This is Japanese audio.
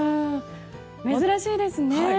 珍しいですね。